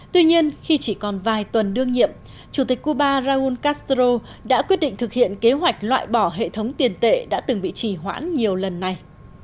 tuy nhiên khi chỉ còn vài tuần đương nhiệm chủ tịch cuba raúl castro đã quyết định thực hiện kế hoạch loại bỏ hệ thống tiền tệ đã từng bị trì hoãn nhiều lần này